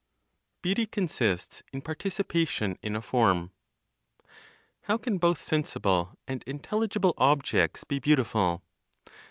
BEAUTY CONSISTS IN PARTICIPATION IN A FORM. How can both sensible and intelligible objects be beautiful?